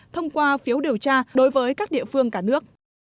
thông qua phiếu điều tra đối với các địa phương cả nước